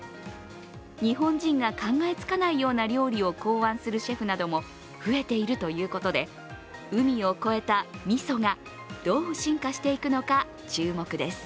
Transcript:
日本人が考えつかないような料理を考案するシェフなども増えているということで、海を越えたＭＩＳＯがどう進化していくのか注目です。